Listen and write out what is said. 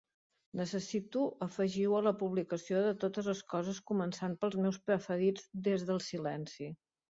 Necessito afegir-ho a la publicació de totes les coses, començant pels meus preferits des del silenci